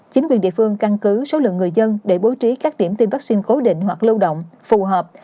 chính quyền địa phương căn cứ số lượng người dân để bố trí các điểm tiêm vaccine cố định hoặc lâu động phù hợp